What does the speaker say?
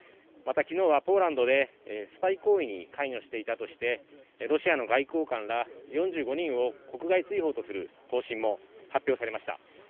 また、昨日はポーランドでスパイ行為に関与していたとしてロシアの外交官ら４５人を国外追放する方針も発表されました。